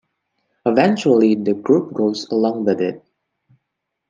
Eventually, the group goes along with it.